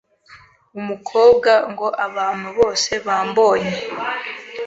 Umukobwa ngo abantu bose bambonye,